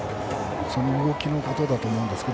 動きのことだと思います。